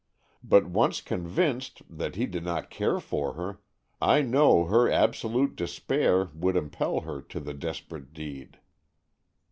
But once convinced that he did not care for her, I know her absolute despair would impel her to the desperate deed."